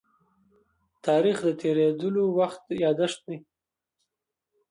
تاریخ د تېرېدلو وخت يادښت دی.